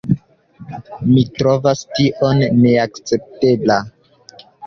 Mi trovas tion neakceptebla.